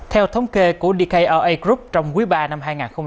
theo thống kê của dkra group trong quý ba năm hai nghìn hai mươi ba